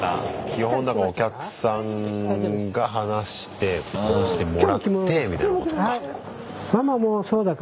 基本だからお客さんが話してもらってみたいなことか。